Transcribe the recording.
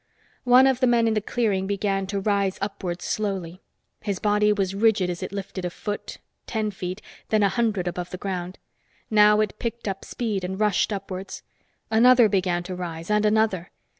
One of the men in the clearing began to rise upwards slowly. His body was rigid as it lifted a foot, ten feet, then a hundred above the ground. Now it picked up speed, and rushed upwards. Another began to rise, and another.